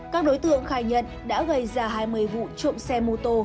các đối tượng khai nhận đã gây ra hai mươi vụ trộm xe mô tô